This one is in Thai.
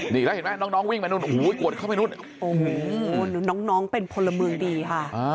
นี่แล้วเห็นไหมน้องวิ่งไปนู่นโอ้โหโอ้โหน้องเป็นพลเมืองดีค่ะ